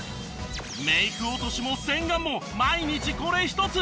メイク落としも洗顔も毎日これ一つ。